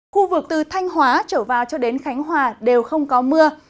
khu vực từ thanh hóa trở vào cho đến khánh hòa đều không có mưa